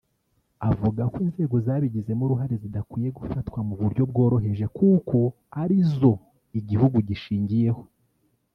Avuga ko inzego zabigizemo uruhare zidakwiye gufatwa mu buryo bworoheje kuko ari zo igihugu gishingiyeho